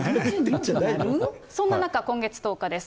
そんな中、今月１０日です。